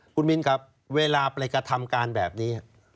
คุณมิ้นครับเวลาไปกระทำการแบบนี้